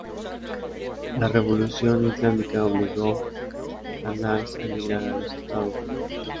La Revolución islámica obligó a Nasr a emigrar a los Estados Unidos.